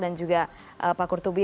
dan juga pak kurtubi